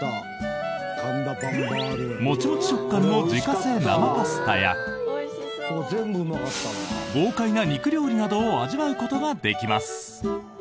モチモチ食感の自家製生パスタや豪快な肉料理などを味わうことができます。